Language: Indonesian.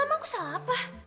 apa aku salah apa